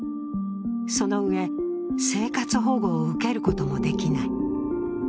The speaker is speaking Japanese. そのうえ、生活保護を受けることもできない。